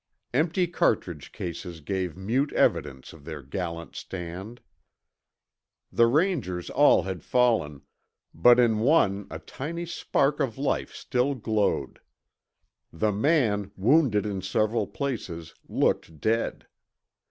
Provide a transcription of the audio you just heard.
Empty cartridge cases gave mute evidence of their gallant stand. The Rangers all had fallen, but in one a tiny spark of life still glowed. The man, wounded in several places, looked dead.